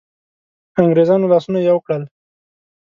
انګرېزانو لاسونه یو کړل.